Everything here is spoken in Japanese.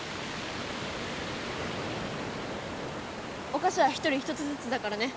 おかしは１人１つずつだからね。